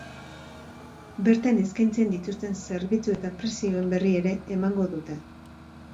Bertan eskaintzen dituzten zerbitzu eta prezioen berri ere emango dute.